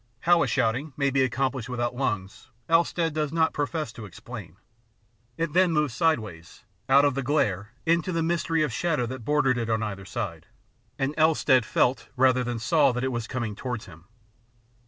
How a shouting may be accomplished without lungs Elstead does not profess to explain. It then moved sideways out of the glare into the mystery of shadow that bordered it on either side, and Elstead felt rather than saw that it was coming towards him.